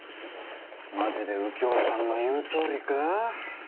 マジで右京さんの言うとおりか？